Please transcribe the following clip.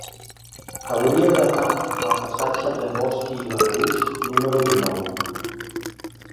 Hauria d'anar al passatge de Bosch i Labrús número dinou.